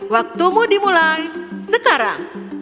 waktumu dimulai sekarang